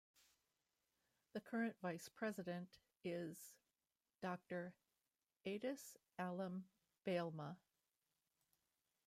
The current vice president is Doctor Addis Alem Balema.